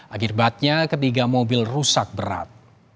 akibatnya ketiga mobil rusak berat